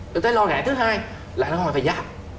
tôi thấy lo ngại thứ hai là lo ngại về giá